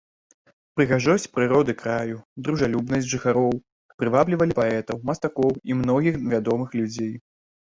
Прыгажосць прыроды краю, дружалюбнасць жыхароў прываблівалі паэтаў, мастакоў і многіх вядомых людзей.